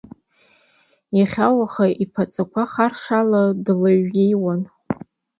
Иахьа-уаха иԥаҵақәа харшала длеиҩеиуан.